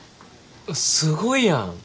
すごいやん！